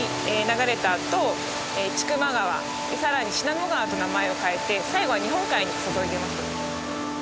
あと千曲川更に信濃川と名前を変えて最後は日本海に注いでいます。